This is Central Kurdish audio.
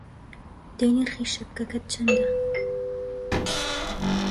دەی نرخی شەپکەکەت چەندە!